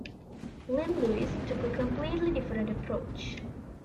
Lil Louis took a completely different approach.